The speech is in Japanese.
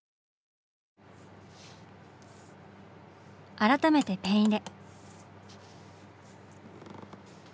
改めてペン入れ。